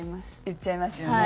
言っちゃいますよね。